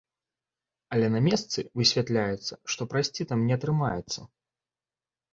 Але на месцы высвятляецца, што прайсці там не атрымаецца.